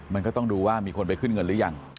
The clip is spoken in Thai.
มันก็ต้องดูว่ามีคนไปขึ้นเงินหรือยัง